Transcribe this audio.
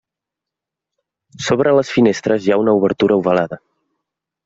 Sobre les finestres hi ha una obertura ovalada.